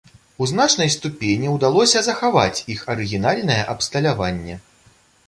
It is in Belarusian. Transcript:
У значнай ступені ўдалося захаваць іх арыгінальнае абсталяванне.